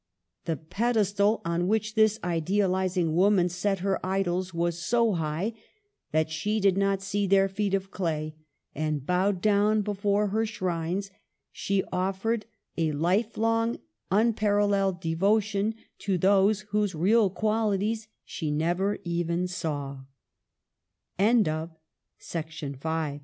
The pedestal on which this idealizing woman set her idols was so high that she did not see their feet of clay; and, bowed down before her shrines, she offered a life long unpar alleled devotion to those whose real qualities she never